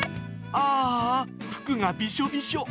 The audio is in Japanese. あーあ、服がびしょびしょ。